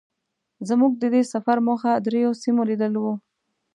زمونږ د دې سفر موخه درېيو سیمو لیدل وو.